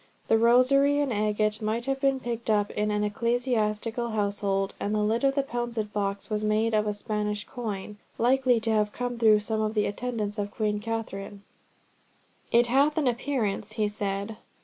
The rosary and agate might have been picked up in an ecclesiastical household, and the lid of the pouncet box was made of a Spanish coin, likely to have come through some of the attendants of Queen Katharine. "It hath an appearance," he said.